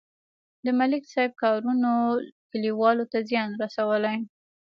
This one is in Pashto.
د ملک صاحب کارونو کلیوالو ته زیان رسولی.